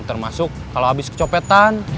termasuk kalau habis kecopetan